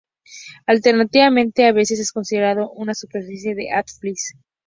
Alternativamente, a veces es considerado una subespecie de "P. affinis".